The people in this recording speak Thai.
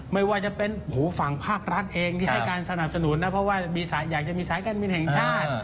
ไม่ว่าจะเป็นฝั่งภาครัฐเองที่ให้การสนับสนุนนะเพราะว่าอยากจะมีสายการบินแห่งชาติ